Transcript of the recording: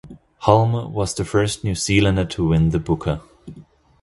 Hulme was the first New Zealander to win the Booker.